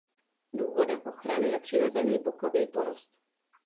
Důvodem ochrany je přirozený bukový porost.